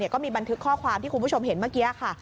ก็มีบันทึกข้อความที่คุณผู้ชมเห็นเมื่อกี้ค่ะ